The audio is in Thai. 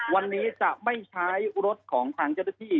วันนี้จะไม่ใช้รถของทางเจ้าหน้าที่